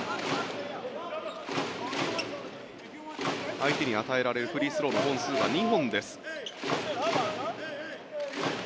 相手に与えられるフリースローの本数は２本です。